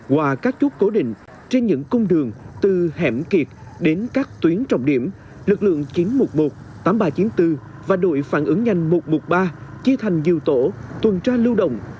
qua các chốt cố định trên những cung đường từ hẻm kiệt đến các tuyến trọng điểm lực lượng chín trăm một mươi một tám nghìn ba trăm chín mươi bốn và đội phản ứng nhanh một trăm một mươi ba chia thành nhiều tổ tuần tra lưu động